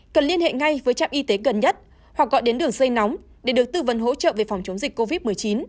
cần liên hệ ngay với trạm y tế gần nhất hoặc gọi đến đường dây nóng để được tư vấn hỗ trợ về phòng chống dịch covid một mươi chín